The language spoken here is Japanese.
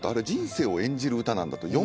人生を演じる歌なんだ、と。